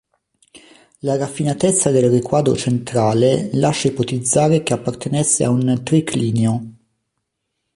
La raffinatezza del riquadro centrale lascia ipotizzare che appartenesse a un triclinio.